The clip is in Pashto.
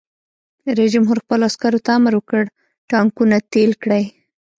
رئیس جمهور خپلو عسکرو ته امر وکړ؛ ټانکونه تېل کړئ!